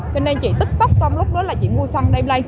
cho nên chị tức tốc trong lúc đó là chị mua xăng đem lên